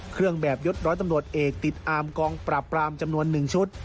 เครื่องแบบยดร้อยตำรวจเอกติดอามกองปราบปรามจำนวน๑ชุด